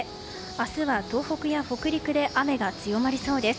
明日は、東北や北陸で雨が強まりそうです。